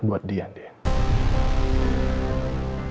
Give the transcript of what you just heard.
buat dia din